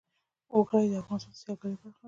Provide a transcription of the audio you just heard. اوړي د افغانستان د سیلګرۍ برخه ده.